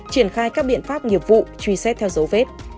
triển khai các biện pháp nghiệp vụ truy xét theo dấu vết